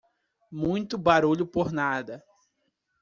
Muito barulho por nada